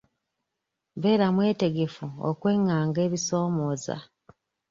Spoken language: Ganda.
Beera mwetegefu okwenganga ebisoomooza.